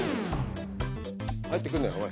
入ってくんなよおい。